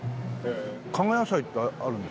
加賀野菜ってあるの？